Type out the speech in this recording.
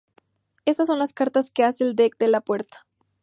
Estas son las cartas que hacen el deck de la puerta.